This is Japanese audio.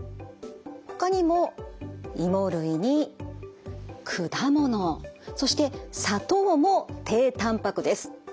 ほかにも芋類に果物そして砂糖も低たんぱくです。